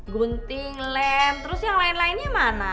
gunting lem terus yang lain lainnya mana